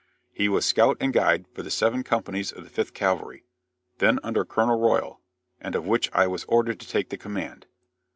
He was scout and guide for the seven companies of the Fifth Cavalry, then under Colonel Royal, and of which I was ordered to take the command.